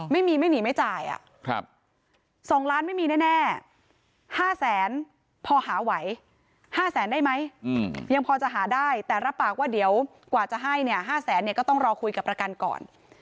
ไม่มีไม่หนีไม่จ่าย๒ล้านไม่มีแน่๕แสนพอหาไหว๕แสนได้ไหมยังพอจะหาได้แต่รับปากว่าเดี๋ยวกว่าจะให้เนี่ย๕แสนเนี่ยก็ต้องรอคุยกับประกันก่อน